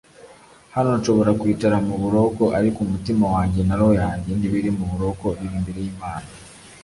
Hano nshobora kwicara mu buroko ariko umutima wanjye na roho yanjye ntibiri mu buroko biri imbere y’Imana